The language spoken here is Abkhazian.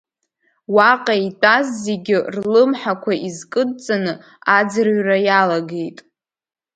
Уаҟа итәаз зегьы рлымҳақәа изкыдҵаны, аӡырҩра иалагеит.